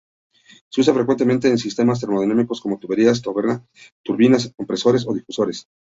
Se usa frecuentemente en sistemas termodinámicos como tuberías, toberas, turbinas, compresores o difusores.